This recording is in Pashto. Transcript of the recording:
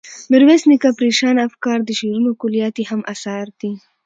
میرویس نیکه، پریشانه افکار، د شعرونو کلیات یې هم اثار دي.